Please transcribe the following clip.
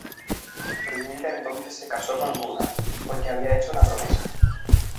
Brunilda entonces se casó con Gunnar, porque había hecho una promesa.